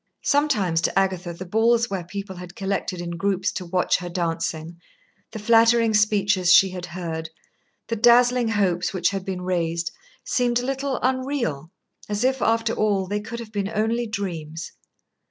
Sometimes to Agatha the balls where people had collected in groups to watch her dancing, the flattering speeches she had heard, the dazzling hopes which had been raised, seemed a little unreal, as if, after all, they could have been only dreams.